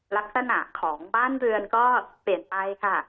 ลักษณะของบ้านเรือนก็เปลี่ยนไปค่ะ